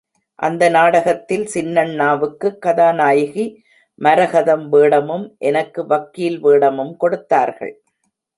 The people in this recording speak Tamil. அந்த நாடகத்தில் சின்னண்ணாவுக்குக் கதாநாயகி மரகதம் வேடமும், எனக்கு வக்கீல் வேடமும் கொடுத்தார்கள்.